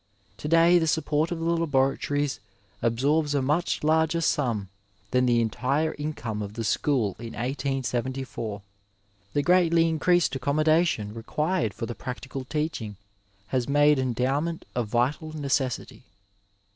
To day the support of the laboratories absorbs a much larger sum than the entire income of the school in 1874. The greatly in creased accommodation required for the practical teaching has made endowment a vital necessity.